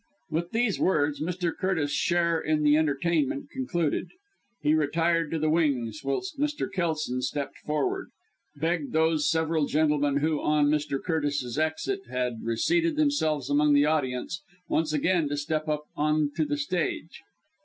With these words Mr. Curtis's share in the entertainment concluded. He retired to the wings, whilst Mr. Kelson stepping forward begged those several gentlemen who, on Mr. Curtis's exit, had reseated themselves among the audience, once again to step up on to the stage.